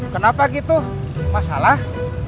kenapa gitu masalah